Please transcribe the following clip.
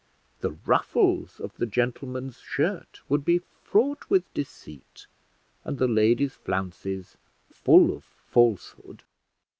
The ruffles of the gentleman's shirt would be fraught with deceit, and the lady's flounces full of falsehood.